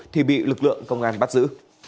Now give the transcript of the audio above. thì bị lực lượng công an bắt giữ